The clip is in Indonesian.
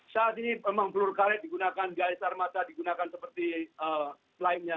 saat ini memang peluru karet digunakan garis armata digunakan seperti lainnya